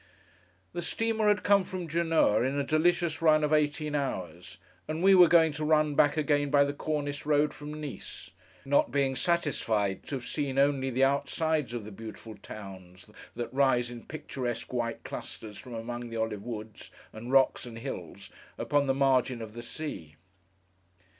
The steamer had come from Genoa in a delicious run of eighteen hours, and we were going to run back again by the Cornice road from Nice: not being satisfied to have seen only the outsides of the beautiful towns that rise in picturesque white clusters from among the olive woods, and rocks, and hills, upon the margin of the Sea.